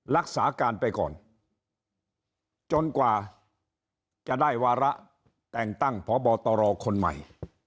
รักษาการไปก่อนจนกว่าจะได้วาระแต่งตั้งพบตรคนใหม่